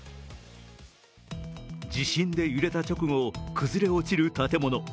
地震で揺れた直後崩れ落ちる建物。